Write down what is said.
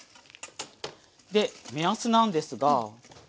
で目安なんですが。